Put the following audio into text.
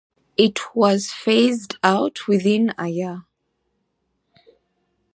It was phased out within a year.